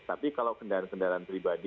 tapi kalau kendaraan kendaraan pribadi